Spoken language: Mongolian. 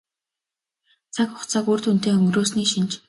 Цаг хугацааг үр дүнтэй өнгөрөөсний шинж.